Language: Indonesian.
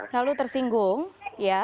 lalu tersinggung ya